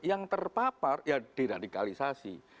yang terpapar ya diradikalisasi